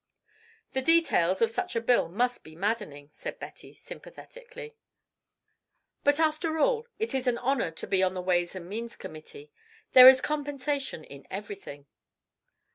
"The details of such a bill must be maddening," said Betty, sympathetically, "but, after all, it is an honour to be on the Ways and Means Committee. There is compensation in everything."